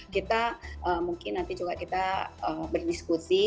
kita mungkin nanti juga kita berdiskusi